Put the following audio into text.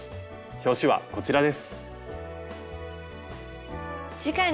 表紙はこちらです。